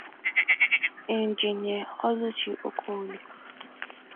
Injinia Oluchi Okoli